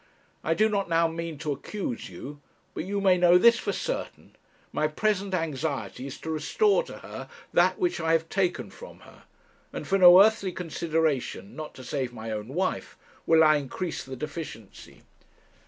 I do not now mean to accuse you; but you may know this for certain my present anxiety is to restore to her that which I have taken from her; and for no earthly consideration not to save my own wife will I increase the deficiency.'